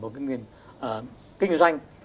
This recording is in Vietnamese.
một nền kinh doanh